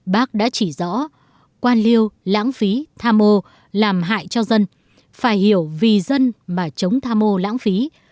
bác đã chỉ rõ quan liều lãng phí tha mô làm hại cho dân phải hiểu vì dân mà chống tha mô lãng phí